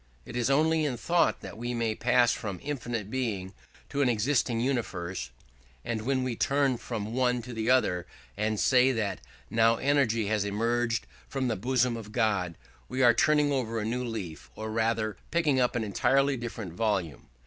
It is only in thought that we may pass from infinite Being to an existing universe; and when we turn from one to the other, and say that now energy has emerged from the bosom of God, we are turning over a new leaf, or rather picking up an entirely different volume.